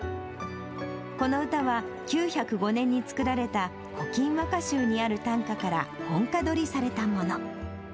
この歌は、９０５年に作られた古今和歌集にある短歌から本歌取りされたもの。